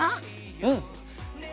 うん。